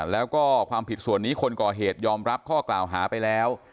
แล้วก็ความผิดส่วนนี้คนก่อเหตุยอมรับข้อกล่าวหาไปแล้ว